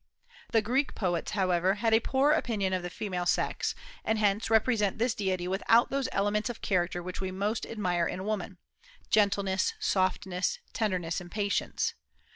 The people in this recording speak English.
The Greek poets, however, had a poor opinion of the female sex, and hence represent this deity without those elements of character which we most admire in woman, gentleness, softness, tenderness, and patience.